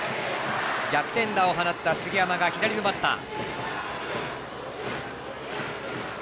逆転打を放った杉山が左のバッター。